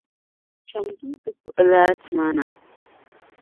kpem duu ti kpuɣi laa ti ma na.